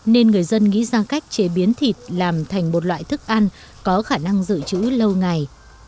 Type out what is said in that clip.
nên người dân nghĩ ra cách chế biến thịt làm thành một loại thức ăn có khả năng dự trữ lâu ngày